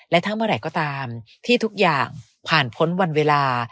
และทั้งเมื่อไหร่ก็ตามที่ทุกอย่างผ่านพ้นวันเวลา